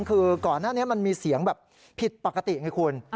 คือก่อนหน้านี้มันมีเสียงแบบผิดปกติไงคุณ